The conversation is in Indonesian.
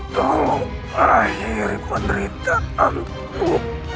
tolong akhiri penderitaanku